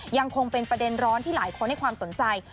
ยังคงเป็นประเด็นร้อนที่หลายคนให้ความสนใจ